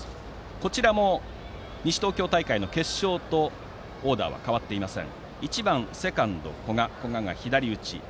こちらも西東京大会の決勝とオーダーは変わっていません。